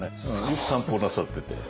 よく散歩なさってて。